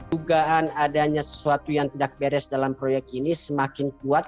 dugaan adanya sesuatu yang tidak beres dalam proyek ini semakin kuat